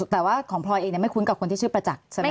แต่ว่าของพลอยเองไม่คุ้นกับคนที่ชื่อประจักษ์ใช่ไหม